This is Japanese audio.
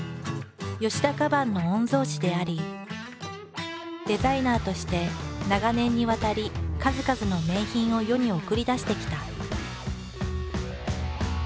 田カバンの御曹子でありデザイナーとして長年にわたり数々の名品を世に送り出してきた。